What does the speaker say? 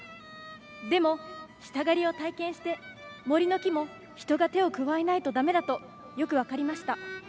でも、下刈りを体験して森の木も人が手を加えないとだめだと、よく分かりました。